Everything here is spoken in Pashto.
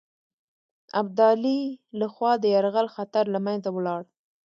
ابدالي له خوا د یرغل خطر له منځه ولاړ.